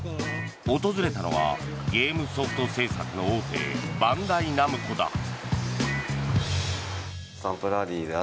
訪れたのはゲームソフト制作の大手バンダイナムコだ。